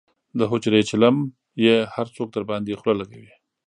د حجرې چیلم یې هر څوک درباندې خله لکوي.